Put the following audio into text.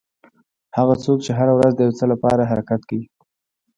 هغه څوک چې هره ورځ د یو څه لپاره حرکت کوي.